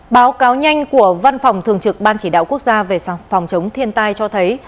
báo cáo nhanh của văn phòng thường trực ban chỉ đạo quốc gia về phòng chống thiên tai cho thấy